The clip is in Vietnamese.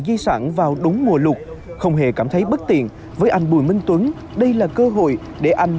di sản vào đúng mùa lục không hề cảm thấy bất tiện với anh bùi minh tuấn đây là cơ hội để anh